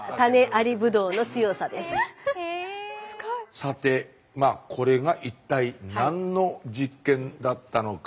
さてこれが一体何の実験だったのか。